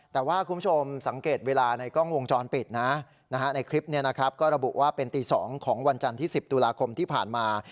แต่ว่าคุณผู้ชมสังเกตเวลาในกล้องวงจรปิดนะในคลิปนี้นะครับก็ระบุว่าเป็นตี๒ของวันจันทร์ที่๑๐ตุลาคมที่ผ่านมา